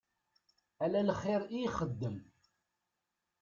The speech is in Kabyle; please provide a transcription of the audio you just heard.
Ala lxir i ixeddem.